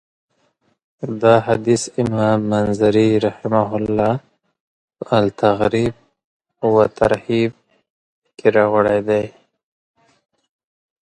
دا حديث امام منذري رحمه الله په الترغيب والترهيب کي راوړی .